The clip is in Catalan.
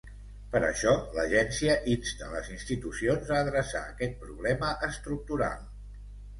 Per això, l’agència insta les institucions a adreçar aquest problema estructural.